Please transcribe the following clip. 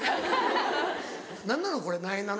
何なの？